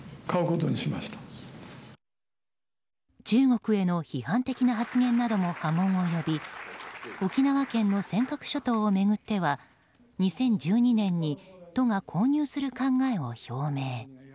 中国への批判的な発言なども波紋を呼び沖縄県の尖閣諸島を巡っては２０１２年に都が購入する考えを表明。